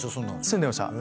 住んでました。